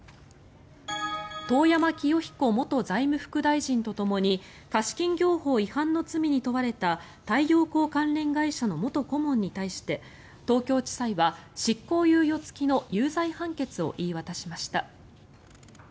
遠山清彦元財務副大臣とともに貸金業法違反の罪に問われた太陽光関連会社の元顧問に対して東京地裁は執行猶予付きの有罪判決を言い渡しました。